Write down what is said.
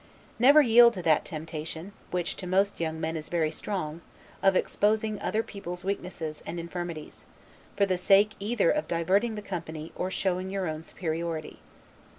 Never yield to that temptation, which to most young men is very strong; of exposing other people's weaknesses and infirmities, for the sake either of diverting the company, or showing your own superiority.